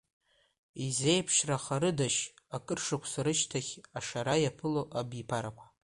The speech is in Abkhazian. Изеиԥшрахарыдашь акыршықәса рышьҭахь ашара иаԥыло абиԥариқәа?